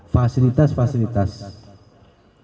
fasilitas fasilitas yang terdapat